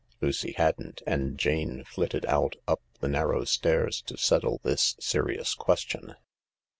Lucy hadn't, and Jane flitted out up the narrow stairs to settle this serious question.